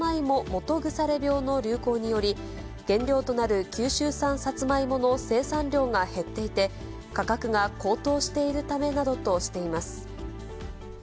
基腐病の流行により、原料となる九州産サツマイモの生産量が減っていて、価格が高騰しているためなどとしています。